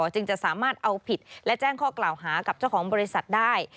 จึงจะสามารถเอาผิดและแจ้งข้อกล่าวหากับเจ้าของบริษัทได้